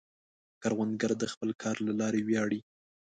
کروندګر د خپل کار له لارې ویاړي